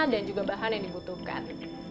dan juga bahan yang dibutuhkan